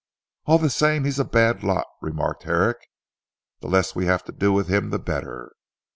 "All the same he is a bad lot," remarked Herrick, "the less we have to do with him the better."